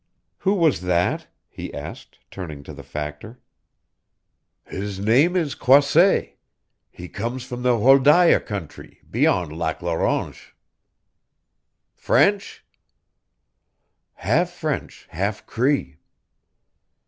"Who was that?" he asked, turning to the factor. "His name is Croisset. He comes from the Wholdaia country, beyond Lac la Ronge." "French?" "Half French, half Cree."